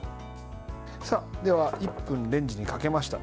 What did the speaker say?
では１分レンジにかけました。